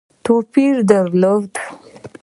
توپیر درلود.